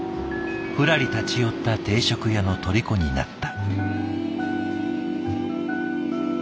ふらり立ち寄った定食屋のとりこになった。